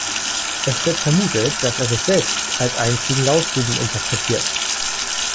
Es wird vermutet, dass er sich selbst als einstigen Lausbuben interpretiert.